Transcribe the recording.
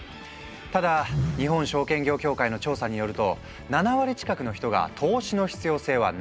ただ日本証券業協会の調査によると７割近くの人が「投資の必要性はない」と答えている。